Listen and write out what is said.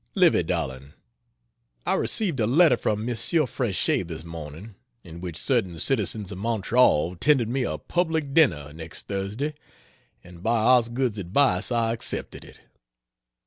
Livy darling, I received a letter from Monsieur Frechette this morning, in which certain citizens of Montreal tendered me a public dinner next Thursday, and by Osgood's advice I accepted it.